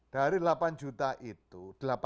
dari delapan juta itu